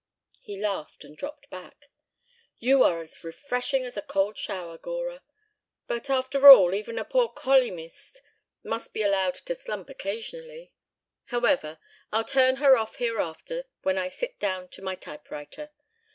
He laughed and dropped back. "You are as refreshing as a cold shower, Gora. But, after all, even a poor colyumist must be allowed to slump occasionally. However, I'll turn her off hereafter when I sit down to my typewriter.